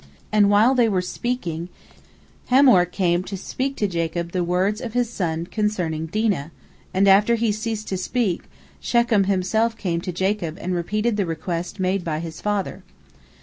And whilst they were speaking, Hamor came to speak to Jacob the words of his son concerning Dinah, and after he ceased to speak, Shechem himself came to Jacob and repeated the request made by his father.